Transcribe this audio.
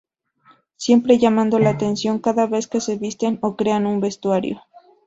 Siempre llamando la atención cada vez que se visten o crean un vestuario.